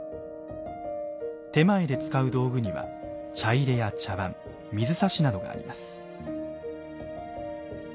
点前で使う道具には茶入や茶碗水指などがあります。